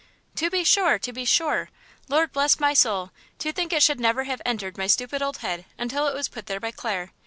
"To be sure; to be sure! Lord bless my soul! to think it should never have entered my stupid old head until it was put there by Clare!